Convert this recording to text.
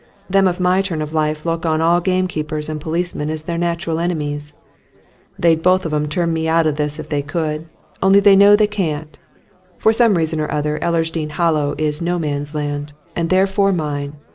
"Them of my turn of life look on all gamekeepers and policemen as their natural enemies. They'd both of 'em turn me out o' this if they could! only they know they can't. For some reason or other Ellersdeane Hollow is No Man's Land and therefore mine.